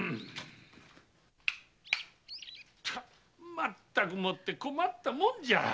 まったくもって困ったもんじゃ。